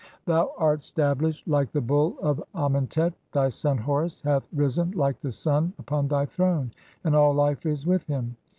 Thou art "stablished like the Bull of Amentet. (52) Thy son Horus hath "risen like the sun upon thy throne, and all life is with him.